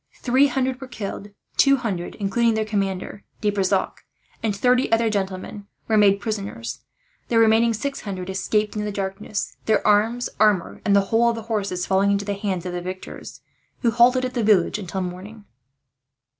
Three hundred were killed. Two hundred, including their commander, De Brissac, and thirty other gentlemen, were made prisoners. The remaining six hundred escaped in the darkness; their arms, armour, and the whole of the horses falling into the hands of the victors, who halted at the village until morning.